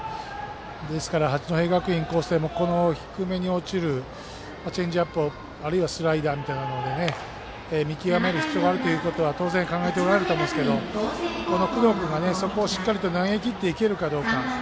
ですから、八戸学院光星も低めに落ちるチェンジアップをあるいはスライダーを見極める必要があるということは当然、考えておられると思うんですけれどもこの工藤君が、そこをしっかり投げきっていけるかどうか。